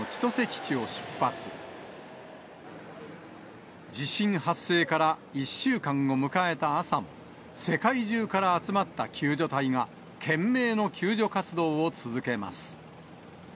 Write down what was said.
地震発生から１週間を迎えた朝も、世界中から集まった救助隊が、懸命の救助活動を続けます。